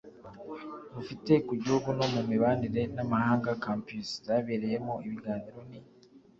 rufite ku gihugu no mu mibanire n amahanga campus zabereyemo ibiganiro ni